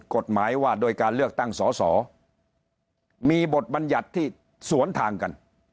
กฎหมายว่าโดยการเลือกตั้งสอสอมีบทบัญญัติที่สวนทางกัน